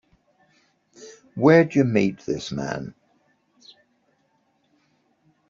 Where'd you meet this man?